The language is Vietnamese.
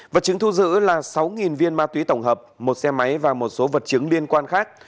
vật chứng thu giữ là sáu viên ma túy tổng hợp một xe máy và một số vật chứng liên quan khác